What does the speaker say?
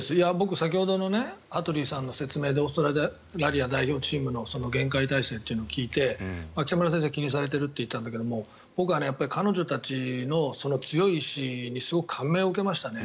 先ほどの羽鳥さんの説明でオーストラリア代表チームの厳戒態勢を聞いて北村先生が気にされていると言ったんだけども僕は彼女たちの強い意思にすごく感銘を受けましたね。